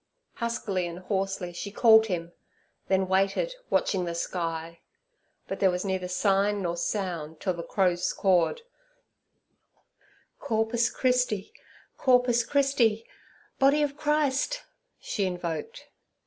Huskily and hoarsely she called Him, then waited, watching the sky. But there was neither sign nor sound till the crows cawed, 'Cor pus Chris ti! Cor pus Chris ti!' 'Body of Christ!' she invoked.